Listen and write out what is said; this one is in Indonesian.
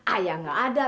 ayah gak ada